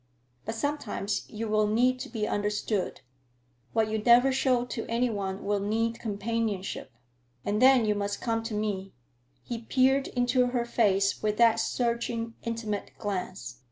But sometimes you will need to be understood; what you never show to any one will need companionship. And then you must come to me." He peered into her face with that searching, intimate glance.